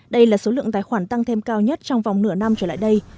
đây là số lượng tài khoản tăng thêm cao nhất trong vòng nửa năm trở lại đây